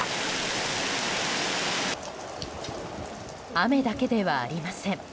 雨だけではありません。